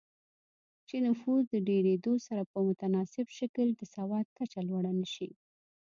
چې نفوس د ډېرېدو سره په متناسب شکل د سواد کچه لوړه نه شي